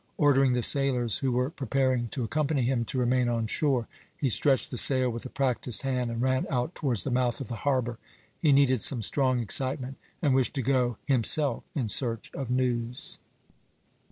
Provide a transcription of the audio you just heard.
Ordering the sailors who were preparing to accompany him to remain on shore, he stretched the sail with a practised hand, and ran out towards the mouth of the harbour. He needed some strong excitement, and wished to go himself in search of news.